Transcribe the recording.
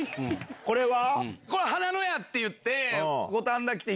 これは？